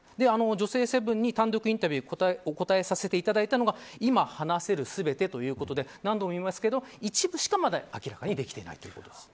女性セブンに単独インタビューお答えさせていただいたのが今話せる全てということで何度もいいますが一部しか、まだ明らかにできていないということです。